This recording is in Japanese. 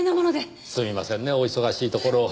すみませんねお忙しいところを。